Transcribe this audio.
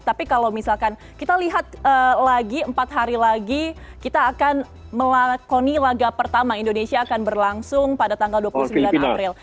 tapi kalau misalkan kita lihat lagi empat hari lagi kita akan melakoni laga pertama indonesia akan berlangsung pada tanggal dua puluh sembilan april